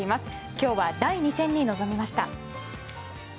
今日は第２戦に臨みました。